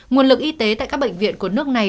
nguồn lực y tế tại các bệnh viện của nước này